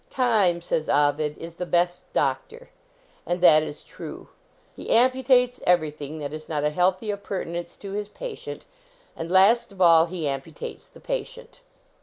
] Time, says Ovid, is the best doctor. And that is true. He amputates everything that is not a healthy appurtenance to his pa tient, and, last of all, he amputates the pa tient.